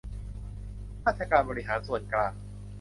ราชการบริหารส่วนกลาง